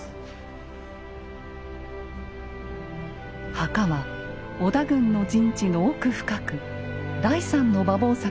墓は織田軍の陣地の奥深く第３の馬防柵の内側にありました。